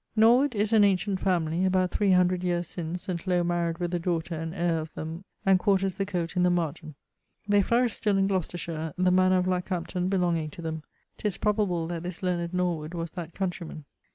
Norwood is an ancient family: about 300 yeares since St. Low maried with a daughter and heire of them and quarters the coate in the margent. They flourish still in Gloucestershire, the mannour of Lakhampton belonging to them. 'Tis probable that this learned Norwood was that countreyman.